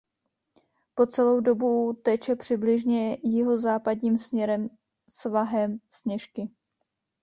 Po celou dobu teče přibližně jihozápadním směrem svahem Sněžky.